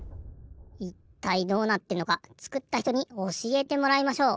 いったいどうなってんのか作った人におしえてもらいましょう。